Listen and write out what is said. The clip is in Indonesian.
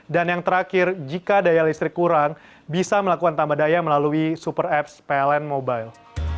dan yang terakhir jika daya listrik kurang bisa melakukan tambah daya melalui super apps pln mobile